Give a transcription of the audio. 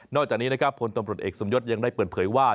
นอกจากนี้ผลตำรวจเอกสมยศยังได้เปิดเผยว่า